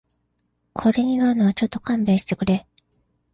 これに乗るのはちょっと勘弁してくれ